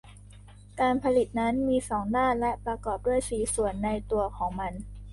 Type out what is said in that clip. การผลิตนั้นมีสองด้านและประกอบด้วยสี่ส่วนในตัวของมัน